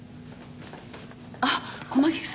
あっ駒菊さん。